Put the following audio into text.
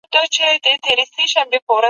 پلار یې یو لوستی او بااستعداده سړی و.